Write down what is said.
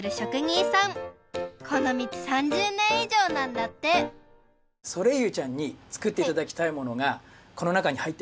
このみち３０ねんいじょうなんだってソレイユちゃんにつくっていただきたいものがこのなかにはいってます